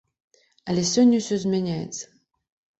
Але сёння ўсё змяняецца.